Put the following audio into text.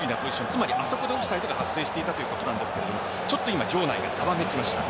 つまり、あそこでオフサイドが発生してたということなんですがちょっと場内が今ざわつきました。